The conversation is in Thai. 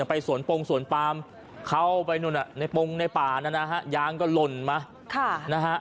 ไปส่วนปรงส่วนปรามเข้าไปปรงในปลานะยางก็หล่นมา